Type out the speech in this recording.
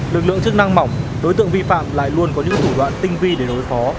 lực lượng chức năng mỏng đối tượng vi phạm lại luôn có những thủ đoạn tinh vi để đối phó